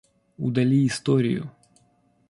Удали историю